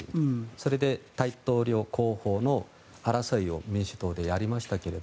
それで大統領候補の争いを民主党でやりましたが。